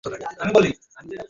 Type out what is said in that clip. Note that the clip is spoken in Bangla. কল্পনাই করতে পারছি না।